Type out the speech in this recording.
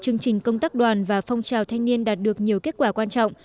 chương trình công tác đoàn và phong trào thanh niên đạt được nhiều kết quả quan trọng